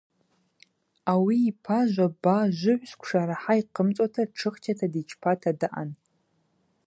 Ауи йпа жваба – жвыгӏв сквша рахӏа йхъымцӏуата тшыхчата дичпата даъан.